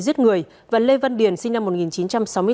giết người và lê văn điền sinh năm